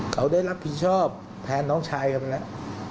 เขาได้รับผิดชอบแทนน้องชายกันไปแล้ว